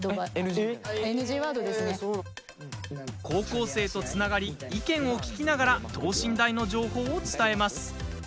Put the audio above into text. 高校生とつながり意見を聞きながら等身大の情報を伝えます。